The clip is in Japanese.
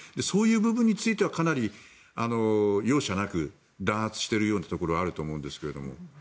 そういう部分についてはかなり容赦なく弾圧しているようなところがあると思うんですが。